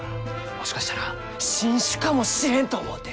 もしかしたら新種かもしれんと思うて！